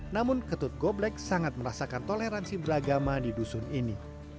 namun ketut goblek sangat merasakan toleransi beragama di dusun ini